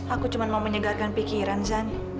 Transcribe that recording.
aku cuma mau menyegarkan pikiran zani